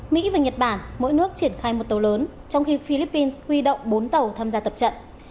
mỹ và nhật bản mỗi nước triển khai một tàu lớn trong khi philippines huy động bốn tàu tham gia tập trận